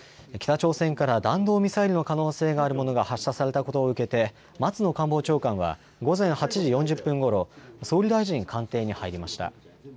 北朝鮮から弾道ミサイルの可能性があるものが発射されたことを受けて松野官房長官は午前８時４０分ごろ、総理大臣官邸に入りました。